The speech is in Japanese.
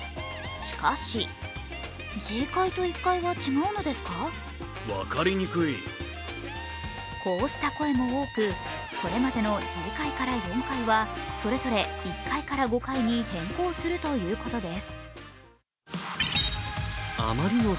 しかしこうした声も多く、これまでのＧ階から４階はそれぞれ１階から５階に変更するということです。